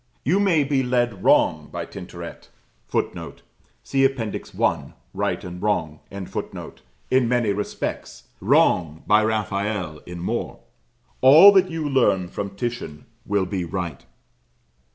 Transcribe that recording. You may be led wrong by Tintoret [Footnote: See Appendix I. "Right and Wrong."] in many respects, wrong by Raphael in more; all that you learn from Titian will be right.